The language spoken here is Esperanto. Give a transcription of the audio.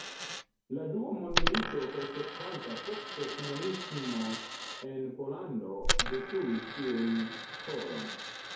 La dua mondmilito kaj sekvanta poste komunismo en Pollando detruis tiun skolon.